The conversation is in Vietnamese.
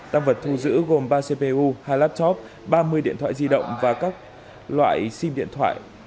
tăng vật thu giữ gồm ba cpu hai laptop ba mươi điện thoại di động và các loại sim điện thoại gồm bảy mươi chiếc